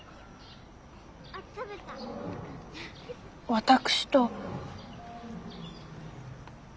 私と。